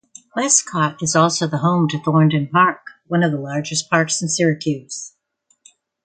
Westcott is also home to Thornden Park, one of the largest parks in Syracuse.